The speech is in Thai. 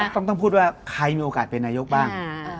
ต้องพูดว่าใครมีโอกาสเป็นนายกบ้าง